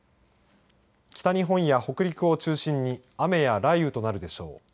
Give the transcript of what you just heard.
北日本や北陸を中心に雨や雷雨となるでしょう。